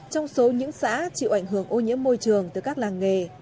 trong số những xã chịu ảnh hưởng ô nhiễm môi trường từ các làng nghề